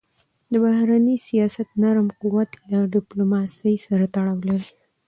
د بهرني سیاست نرم قوت له ډیپلوماسی سره تړاو لري.